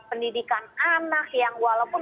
pendidikan anak yang walaupun